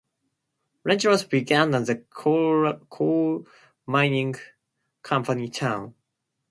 Langeloth began as a coal mining company town.